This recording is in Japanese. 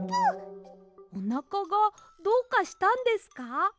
おなかがどうかしたんですか？